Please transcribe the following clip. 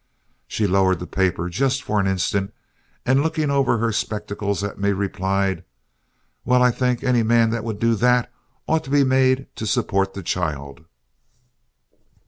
She lowered the paper just for an instant, and looking over her spectacles at me replied, 'Well, I think any man who would do THAT ought to be made to support the child.'"